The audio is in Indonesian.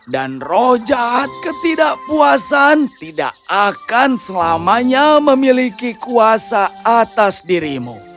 dan roh jahat ketidakpuasan tidak akan selamanya memiliki kuasa atas dirimu